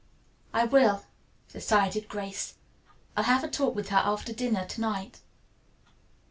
"I will," decided Grace. "I'll have a talk with her after dinner to night."